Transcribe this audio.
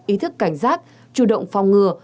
ý thức cảnh giác chủ động phòng ngừa